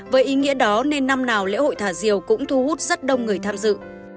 với ý nghĩa đó nên năm nào lễ hội thả diều cũng thu hút rất đông người tham dự